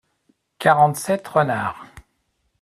Quarante-sept renards.